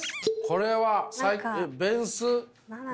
これはベンス？